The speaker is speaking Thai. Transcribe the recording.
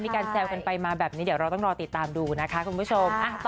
แซวกันไปมาแบบนี้เดี๋ยวเราต้องรอติดตามดูนะคะคุณผู้ชม